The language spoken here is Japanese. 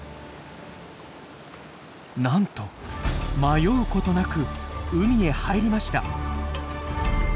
なんと迷うことなく海へ入りました。